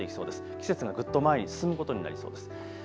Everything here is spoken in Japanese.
季節がぐっと前に進むことになりそうです。